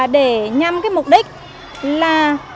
để nhằm mục đích là